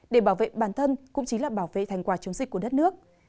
để bảo vệ bản thân cũng chính là bảo vệ thành quả chống dịch của đất nước